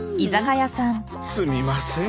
すみません。